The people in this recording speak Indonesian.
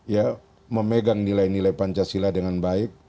ya memegang nilai nilai pancasila dengan baik